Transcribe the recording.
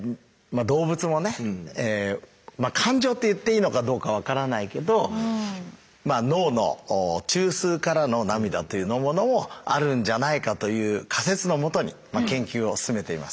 あ動物もね「感情」って言っていいのかどうか分からないけど脳の中枢からの涙というものもあるんじゃないかという仮説のもとに研究を進めています。